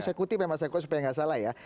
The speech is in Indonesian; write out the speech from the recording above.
saya kutip ya mas eko supaya nggak salah ya